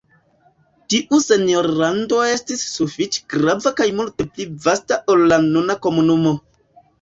Tiu senjorlando estis sufiĉe grava kaj multe pli vasta ol la nuna komunumo.